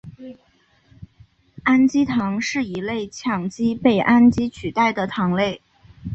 氨基糖是一类羟基被氨基取代的糖类。